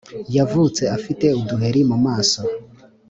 Yavutse afite uduheri mu maso